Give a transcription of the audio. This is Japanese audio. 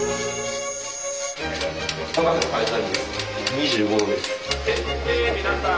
２５度です。